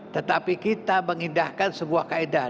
tetapi kita mengindahkan sebuah kaedah